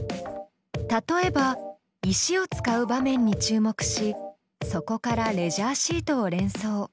例えば石を使う場面に注目しそこからレジャーシートを連想。